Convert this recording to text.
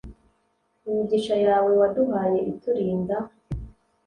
imigisha yawe waduhaye, iturinda